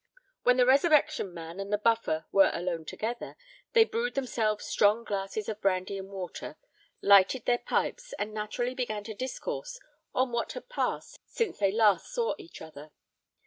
When the Resurrection Man and the Buffer were alone together, they brewed themselves strong glasses of brandy and water, lighted their pipes, and naturally began to discourse on what had passed since they last saw each other.